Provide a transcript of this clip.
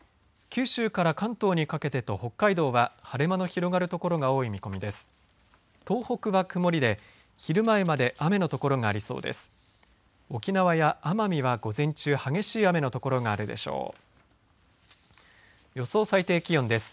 九州から関東にかけてと北海道は晴れ間の広がる所が多い見込みです。